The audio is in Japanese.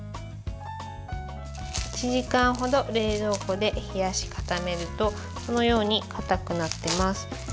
１時間ほど冷蔵庫で冷やし固めるとこのようにかたくなっています。